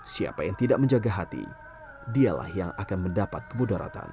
siapa yang tidak menjaga hati dialah yang akan mendapat kemudaratan